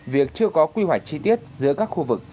việc chưa có quy hoạch chi tiết giữa các khu vực